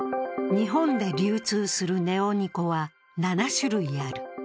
日本で流通するネオニコは７種類ある。